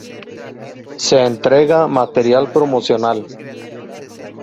Se entrega material promocional.